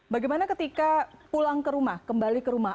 bagaimana ketika pulang ke rumah kembali ke rumah